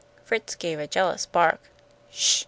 Fritz gave a jealous bark. "Sh!"